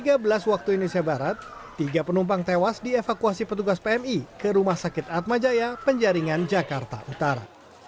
pada pukul tiga belas waktu indonesia barat tiga penumpang tewas dievakuasi petugas pmi ke rumah sakit atmajaya penjaringan jakarta utara